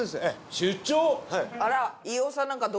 出張！？